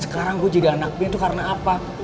sekarang gue jadi anak band itu karena apa